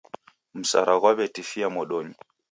Mswara ghwaw'etifia modonyi